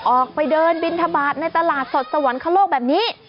ออกไปเดินบินทบาทในตลาดสดสวรรคโลกแบบนี้